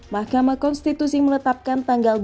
mahkamah konstitusi meletakkan tanggal dua puluh enam juni